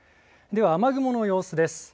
では、雨雲の様子です。